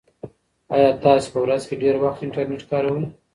ایا تاسي په ورځ کې ډېر وخت انټرنيټ کاروئ؟